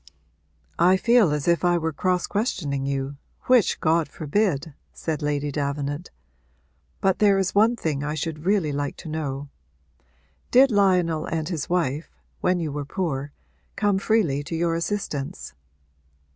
'I feel as if I were cross questioning you, which God forbid!' said Lady Davenant. 'But there is one thing I should really like to know. Did Lionel and his wife, when you were poor, come freely to your assistance?'